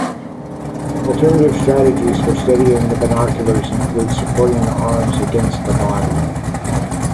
Alternative strategies for steadying the binoculars include supporting the arms against the body.